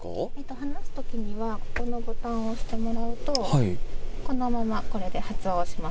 話すときには、このボタンを押してもらうと、このままこれで発話をします。